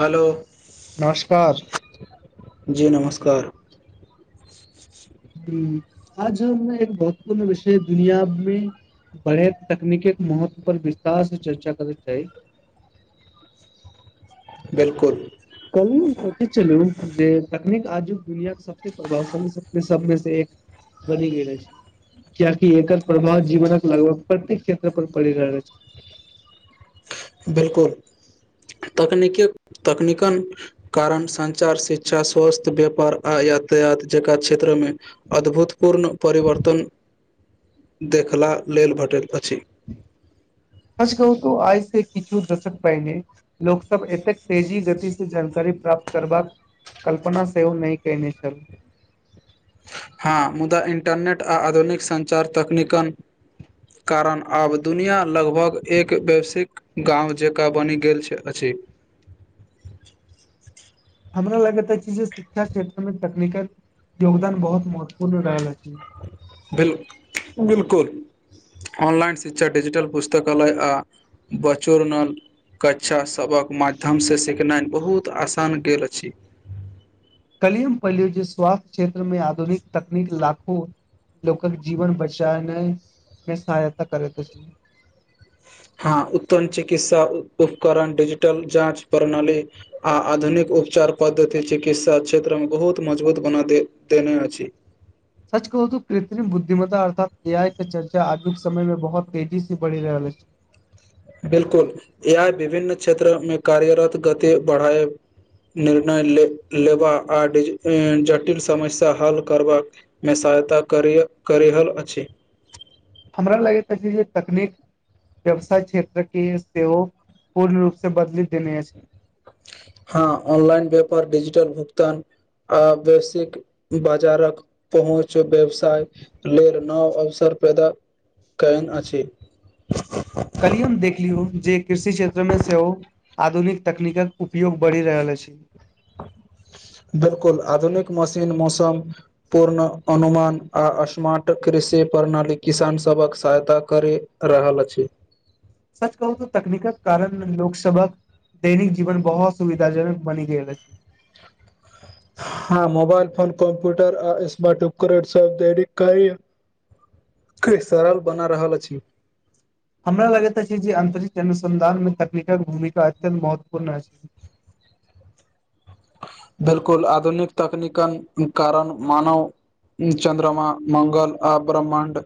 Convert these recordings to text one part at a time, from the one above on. Hello नमस्कार जी नमस्कार हू आज हम एक महत्वपूर्ण र्विषय दुनियामे बड़े तकनीके महत्व पर विस्तार से चर्चा करैत एऽ बिल्कुल कल सोचैत छललु जे तकनीक आजुक दुनिया के सबस प्रभावशाली सबमे सऽ एक बनि गेल अछि किआाकि एकर प्रभाव जीवनक के लगभग प्रतेक क्षेत्र पर पड़ि रहल आछि बिल्कुल तकनीक तकनीकन कारण संचार शिक्षा स्वास्थ्य व्यापार आ यातायात जकरा क्षेत्रमे अद्भुतपूर्ण परिवर्तन देखला लेल भेटैत अछि सच कहू तो आज से किछो दशक पहिने लोक सब एतेक तेजी गति से जानकारी प्राप्त करबाक कल्पना सेहो नहि केने छल हँ मुदा इन्टरनेट आ आधुनिक संचार तकनीकन कारण आब दुनिया लगभग एक वैश्विक गाँंव जेका बनि गेल छै अछि हमरा लगैत अछि जे शिक्षा क्षेत्र मे तकनीकल योगदान बहुत महत्वपूर्ण रहल अछि बिल्कुल ऑनलाइन शिक्षा डजीटल पुस्तकालय अलय हँ बच्चो कक्षा सबहक सिखायलबहुत आसान गेल अछि काल्हि हम पढ़लू जे स्वास्थ्य क्षेत्रमे आधुनिक तकनीक लाखो लोकक जीवन बचावने मे सहायता करैत अछि हँ उत्तम चिकित्सा उपकरण डिजिटल जाँच प्रणाली आ आधुनिक उपचार पद्धति चिकित्सा क्षेत्र मऽ बहुत मजबूत बना दे देने अछि सच कहू त कृत्रिम बुद्धिमता अर्थात न्याय के चर्चा आजुक समय में बहुत तेजी सेी बढ़ि रहल अछि बिल्कुल ए आई विभिन्न क्षेत्र मे कार्यरत गति बढ़ाए निर्णय ले लेबा आ जटिल समस्या हल करबाक मे सहायता करय रहलल अछि हमरा लागैत अछि जे तकनीक व्यवसाय क्षेत्र के सेहो पूर्ण रूप से बदलि देने अछि हँ ऑनलाइन व्यापार डिजिटल भुगतान आ बेसिक बाजारक पहुँच व्यवसाय लेल नव अवसर पैदा कैयन अछि काल्हि हम देखलियौ जे कृषि क्षेत्रमे सेहो आधुनिक तकनीकक उपयोग बढ़ि रहल अछि [inaudible] बिलकुल आधुनिक मशीन मौसम पूर्ण अनुमान आ स्मार्ट कृषि प्रणाली किसान सभक सहायता करी रहल अछि। सच कहू त तकनीकक कारण लोक सभा दैनिक जीवन बहुत सुविधाजनक बनि गेल अछि। हँ मोबाइल फोन कम्प्यूटर आ स्मार्ट उपकरण सब [unintelligible] के सरल बना रहल अछि। हमरा लगैत छैय जे अंतरिक्ष अनुसंधान में तकनीक भूमिका अत्यंत महत्वपूर्ण अछि। बिलकुल आधुनिक तकनीकन कारण मानव चन्द्रमा मंगल आ ब्रह्मण्ड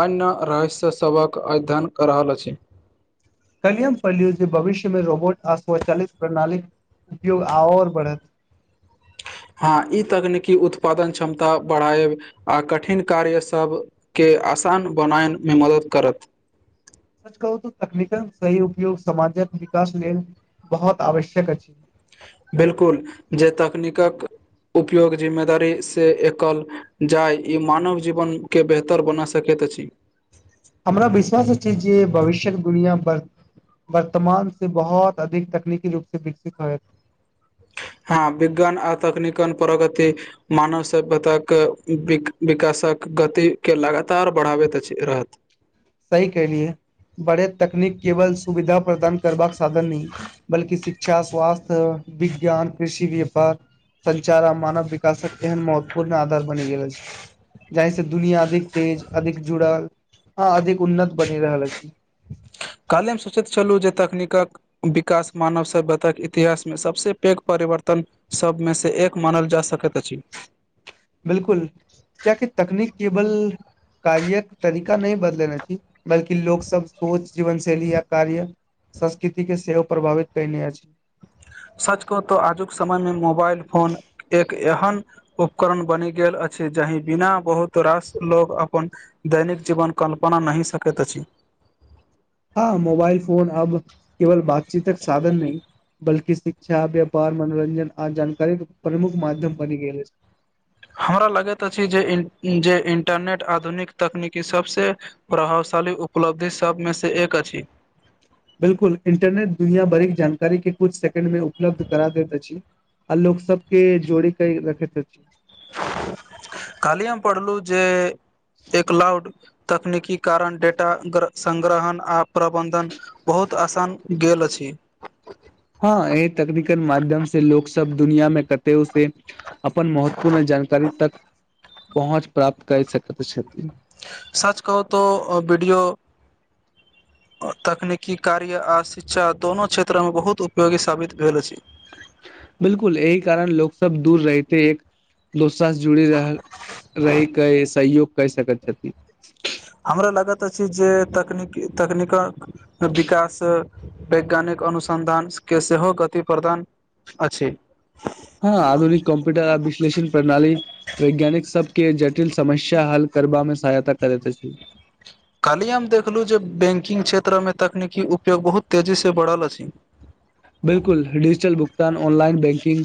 अन्य रहस्य सभक अध्ययन कऽ रहल अछि। कलिय हम पढ़लियू जे भविष्यमे रोबोट आ स्वचालित प्रणालीक उपयोग आओर बढ़त। हँ ई तकनीकी उत्पादन क्षमता बढ़ायब आ कठिन कार्य सब के आसान बनायमे मदद करत। सच कहू तो तकनीकक सही उपयोग समाजक विकास लेल बहुत आवश्यक अछि। बिलकुल जे तकनीकक उपयोग जिम्मेदारी से एकल जाय ई मानव जीवन के बेहतर बना सकैत अछि। हमरा विश्वास अछि जे भविष्य्यक दुनिया पर वर्तमानसे बहुत अधिक तकनीकी रूपसे विकसित होयत। हँ विज्ञान आ तकनीकन प्रगति मानव सभ्यताक विकासक गति के लगातार बढ़ाबैत रहत। सही कलियै बड़े तकनीक केवल सुविधा प्रदान करबाक साधन नहि बल्कि शिक्षा स्वास्थ्य विज्ञान कृषि व्यापार संचार आ मानव विकासक एहन महत्वपूर्ण आधार बनि गेल अछि जहि से दुनिया अधिक तेज अधिक जुड़ल ह अधिक उन्नत बनि रहल अछि। काल्हिे मे सोचैत छलहुँ जे तकनीकक विकास मानव सभ्यतााक इतिहासमे सबसे पैघ परिवर्तन सबमे से एक मानल जा सकैत अछि। बिलकुल कियाकि तकनीक केबल कार्यक तरीका नहि बदलने अछि बल्कि लोक सब सोच जीवन शैली या कार्य संस्कृति के सेहो प्रभावित कयने अछि। सच कहु तो आजुक समय मे मोबाइल फोन एक एहन उपकरण बनि गेल अछि जहि बिना बहुत रास लोग अपन दैनिक जीवन कल्पना नहि सकैत अछि। हँ मोबाइल फोन अब केवल बातचीतक साधन नहि बल्कि शिक्षा व्यापार मनोरञजन आ जानकारी प्रमुख माध्यम बनि गेल अछि। हमरा लगैत अछि जे जे इन्टरनेट आधुनिक तकनीकी सभसे प्रभावशाली उपलब्धि सब मे से एक अछि। बिल्कुल इंटरनेट दुनीया भरीक जानकारी के कुछ सेकंड मे उपलब्ध करा दैत अछि। आ लोक सबके जोड़ीक रखैत अछि। [inaudible] खाली हम पढ़लहु जे एक लाउड तकनीकी कारण डेटा सग्रहण आ प्रबन्धन बहुत आसान गेल अछि। हँ एहि तकनिकल माध्यमसे लोक सब दुनियामें कते उ से अपन महत्वपूर्ण जानकारी तक पहुँच प्राप्त कर सकैत छथिन सर्च कहू तो वीडियो तकनीकी कार्य आ शिक्षा दुनोू क्षेत्र मे बहुत उपयोगी साबित भेल अछि बिलकुल एहि कारण लोको सब दूर रहेथे एक दोसरा से जुड़ी रह रहहि के सहयोग कर सकैत छथिन हमरा लागत अछि जे तकनीकी तकनीकक विकास वैज्ञानिक अनुसन्धान के सेहो गति प्रदान अछि हँ आधुनिक कॉम्प्यूटर आ विश्लषण प्रणाली वैज्ञानिक सबके जटिल समस्या हल करबा मे सहायता करते छै कहाली हम देखलहुँ जे बैंकिंग क्षेत्र मे तकनीकी उपयोग बहुत तेजी से बढ़ल अछि बिलकुल डिजिटल भुगतान ऑनलाइन बैंकिंग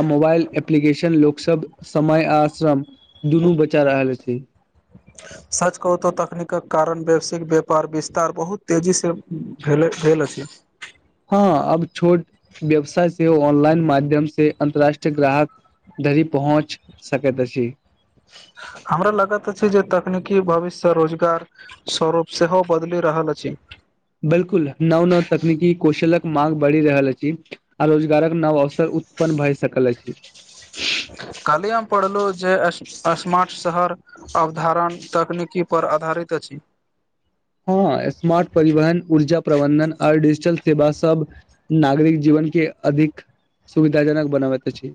आ मोबाइल एप्लीकेशन लोक सब समय आश्रम दुनू बचा रहल छै [inaudible] सच कुतहु तकनीकक कारण ववसिक व्यापार विस्तार बहुत तेजी से भेल भेल अछि हँ अब छोट व्यवसाय से ऑनलाइन माध्यम से अन्तर्राष्ट्रीय ग्राहक धरी पहुँच सकैत अछि हमरा लगत छै जे तकनीकी भविष्य से रोजगार स्वरूप सेहो बदलि रहल अछि बिलकुल नव नव तकनीकी कौशलक माग बढ़ि रहल अछि आ रोजगारक नव अवसर उत्पन्न भए सकल अछि काली हम पढ़लो जे स्मा स्मार्ट शहर अवधारण तकनीकी पर आधारित अछि हँ स्मार्ट परिवहन ऊर्जा प्रबन्धन आ डिजिटल सेवा सब नागरिक जीवन के अधिक सुविधा जनक बनाबैत अछि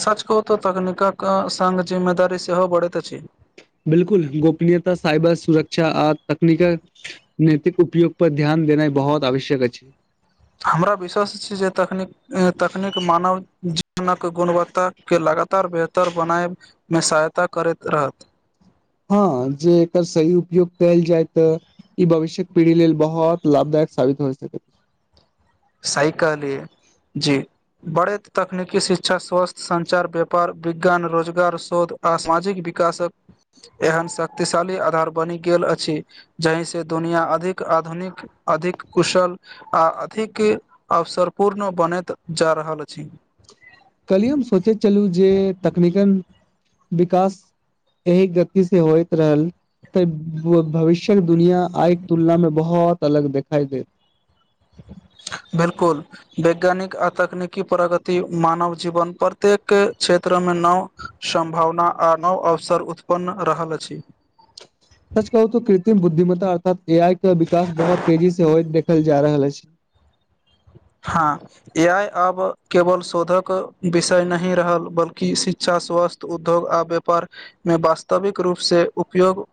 सच कहू तऽ तकनीक अ संग जिम्मेदारी सेहो बढ़ैत अछि बिलकुल गोपनीयता साइबर सुरक्षा आ तकनीकक नैतिक उपयोग पर ध्यान देनाइ बहुत आवश्यक अछि हमरा विश्स छी जे तकनीक तकनीक मानव जीवनक गुणवत्ता के लगातार बेहतर बनाएब मे सहायता करैत रहत हँ जे एकर सही उपयोग कयल जाय तऽ ई भविष्यक पीढ़ी लेल बहुत लाभदायक साबित भ सकै सही कहलीय जे बड़े तकनीकी शिक्षा स्वास्थ्य सञ्चार व्यापार विज्ञान रोजगार शोध आ सामाजिक विकासक एहन शक्तिशाली आधार बनि गेल अछि जहि से दुनिया अधिक आधुनिक अधिक कुशल आ अधिक के अवसर पूर्ण बनैत जा रहल अछि कलिय हम सोचैत छललू जे तकनीकल विकास एहि गति से होइत रहल तऽ भविष्य शिक्षक दुनिया आइ तुलना में बहुत अलग दिखाई दे बिल्कुल वैज्ञानिक आ तकनिकी प्रगति मानव जीवन प्रत्येक क्षेत्र में नाव सम्भावना आ नव अवसर उत्पन्न रहल अछि [inaudible] सच कहू तऽ कृत्रिम बुद्धिमता अर्थात ए आई के विकास बहुत तेजी से होय देखल जा रहल अछि हाँ ए आइ आब केवल शोधक विषय नहि रहल बल्कि शिक्षा स्वास्थ उद्धव आ व्यापारमे वास्तविक रूप से उपयोग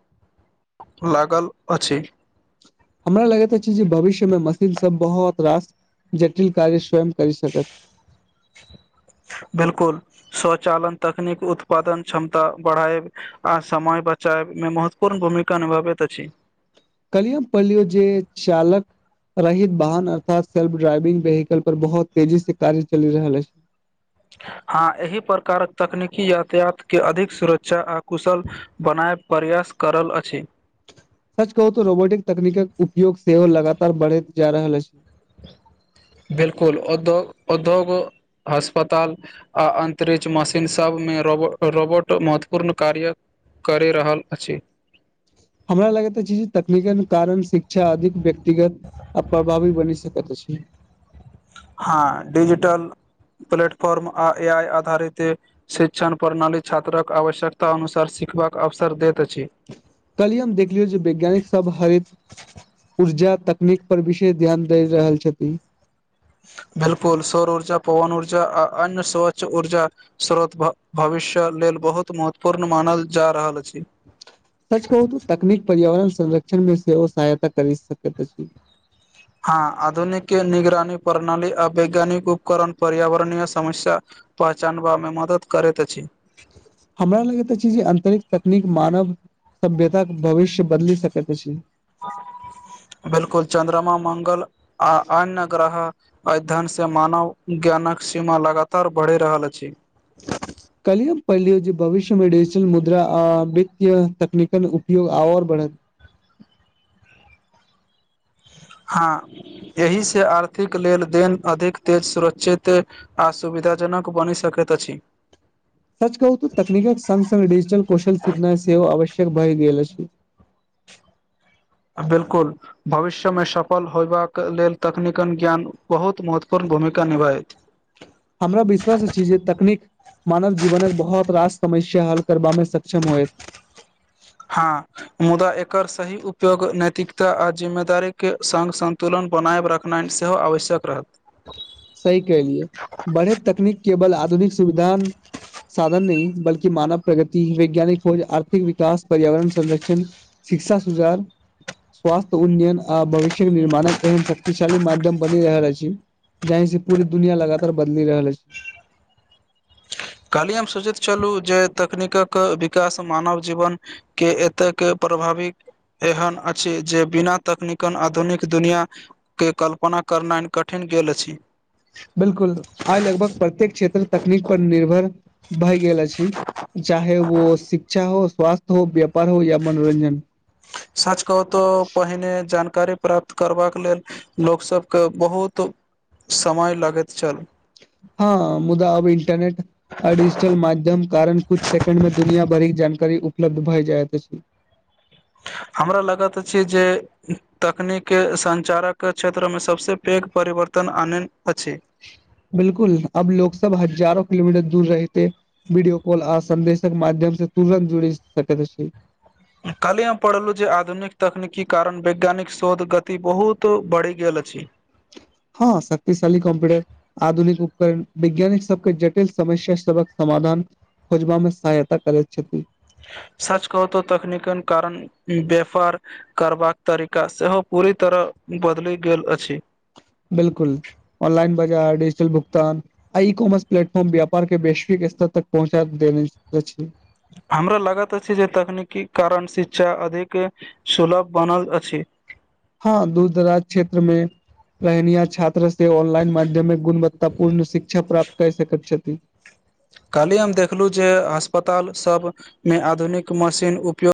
लागल अछि हमरा लगैत अछी जे भविष्य मे मशीन सब बहुत रास जटिल कार्य स्वयं करी सकत बिल्कुल स्वचालन तकनीक उत्पादन क्षमता बढ़ाएब आ समय बचाएब मे महत्वपूर्ण भूमिका निभाबैत अछि कलही हम पढ़लियो जे चालक रहित वाहन अर्थात सेल्फ ड्राइविंग वेहिकल पर बहुत तेजी से कार्य चलि रहल अछि हाँ एहि प्रकारक तकनीकी यातायात के अधिक सुरक्षा आ कुशल बनाएब प्रयास करल अछि सच कहू तऽ रोबोटिक तकनीकक उपयोग सेहो लगातार बढ़ैत जा रहल अछि बिल्कुल उद्योग उद्योग हस्पताल आ अन्तरिक्ष मशीन सबमे रोबो रोबोट महत्वपूर्ण कार्य करि रहल अछि हमरा लगैत अछी जे तकनीक कारण शिक्षा अधिक व्यक्तिगत आ प्रभावी बनी सकत अछि हाँ डिजिटल प्लेटफॉर्म आ ए आइ आधारित शिक्षण प्रणाली छात्रक आवश्यकता अनुसार सिखबाक अवसर दैत अछि कल्हि हम देखलियौ जे वैज्ञानिक सब हरित ऊर्जा तकनीक पर विशेष ध्यान दै रहल छथिन बिल्कुल सौर ऊर्जा पवन ऊर्जा आ अन्य स्वच्छ ऊर्जा स्रोत भ भविष्य लेल बहुत महत्वपूर्ण मानल जा रहल अछि सच कहू तो तकनीक पर्यावरण संरक्षण मे सेहो सहायता करी सकैत अछि। हँ आधुनिक निगरानी प्रणाली आ वैज्ञानिक उपकरण पर्यावरणीय समस्या पहचानबामे मदद करैत अछि हमरा लगैत अछि जे अंतरिक तकनीक मानव सभ्यता के भविष्य बदलि सकैत अछि बिल्कुल चन्द्रमा मंगल आ अन्य ग्रह एहि धनसँ मानव ज्ञानक सीमा लगातार बढ़ि रहल अछि कल्हि हम पढलियो जे भविष्य मे डिजिटल मुद्रा आ वित्तय तकनीकन उपयोग आओर बढ़त हँ एहिसँ आर्थिक लेल देन अधिक तेज सुरक्षित आ सुविधाजनक बनि सकैत अछि। सच कहू तऽ तकनीकक संग संग डिजिटल कौशल सिखनाइ सेहो आवश्यक भए गेल अछि। बिल्कुल भविष्य मे सफल होयबाक लेल तकनीकन ज्ञान बहुत महत्वपूर्ण भूमिका निभाय हमरा विश्वास अछि जे तकनीक मानव जीवनमे बहुत रास समस्या हल करबामे सक्षम होएत हाँ मुदा एकर सही उपयोग नैैतिकता आ जिम्मेदारी के संग संन्तुलन बनाएब रख नाइम सेहो आवश्यक रहत सही कहलिए बड़े तकनीक केवल आधुनिक सुविधा साधन नहि बल्कि मानव प्रगति वैज्ञानिक खोज आर्थिक विकास पर्यावरण संरक्षण शिक्षा सूजार स्वास्थ्य उन्नयन आ भविष्य्यक निर्माणक एहन शक्तिशाली माध्यम बनि रहल अछि जहिसेँ पूरी दुनिया लगातार बदलि रहल अछि काल्हि हम सोचैत छलहुँ जे तकनीकक विकास मानव जीवन के एतेक प्रभावी एहन अछि जे बिना तकनीकन आधुनिक दुनिया के कल्पना करनाइ कठिन गेल अछि बिलकुल आइ लगभग प्रत्येक क्षेत्र तकनीक पर निर्भर भए गेल अछि चाहे वो शिक्षा हो स्वास्थ्य हो व्यापार हो या मनोरंजन सच कहू तोऽ पहिने जानकारी प्राप्त करबाक लेल लोकसभके बहुत समय लगैत छल हँ मुदा अब इंटरनेट आ डि माध्यम कारण कुछ सेकंड मे दुनिया भरिक जानकारी उपलब्ध भए जायइत अछि हमरा लागत अछि जे तकनी केऽ संचारक क्षेत्रमे सभसँ पैघ परिवर्तन आनेन अछि बिलकुल अब लोग सब हजारो किलोमीटर दूर रहिते वीडियो कॉल आ संदेशक माध्यम से तुरत जोड़ी सकैत अछि कल्हि हम पढ़लहुँ जे आधुनिक तकनीकी कारण वैज्ञानिक शोध गति बहुत बढ़ि गेल अछि हँ शक्तिशाली कम्प्यूटर आधुनिक उपकरण वैज्ञानिक सबके जटिल समस्या सबक समाधान खोजबामे सहायता करैत छथि सच कहू तऽ तकनीकन कारण व्यापार करबाक तरीका सेहो पूरी तरह बदलि गेल अछि बिलकुल ऑनलाइन बाजार डिजिटल भुगतान आ ईकॉमर्स प्लेटफॉर्म व्यापार के वैश्विक स्तर तक पहुँचा देने अछि हमरा लागत अछि जे तकनीकीक कारण शिक्षा अधिक सुलभ बनल अछि हँ दूर दराज क्षेत्रमे रहनियार छात्र से ऑनलाइन माध्यमे गुणवत्ता पूर्ण शिक्षा प्राप्त कैर सकैत छथि कालहि हम देखलु जे अस्पताल सब मे आधुनिक मशीन उपयोग